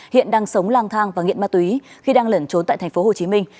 hiện đang sống lang thang và nghiện ma túy khi đang lẩn trốn tại thành phố hồ chí minh